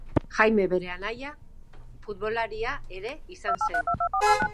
Jaime bere anaia futbolaria ere izan zen.